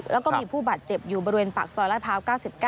แล้วก็มีผู้บาดเจ็บอยู่บริเวณปากซอยลาดพร้าว๙๙